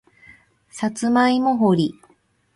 さつまいも掘り